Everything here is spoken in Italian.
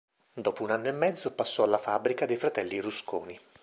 Dopo un anno e mezzo passò alla fabbrica dei fratelli Rusconi.